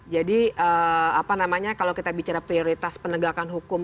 jadi apa namanya kalau kita bicara prioritas penegakan hukum